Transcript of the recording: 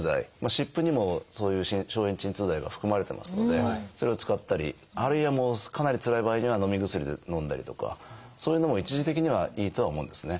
湿布にもそういう消炎鎮痛剤が含まれてますのでそれを使ったりあるいはもうかなりつらい場合にはのみ薬をのんだりとかそういうのも一時的にはいいとは思うんですね。